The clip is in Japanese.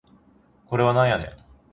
これはなんやねん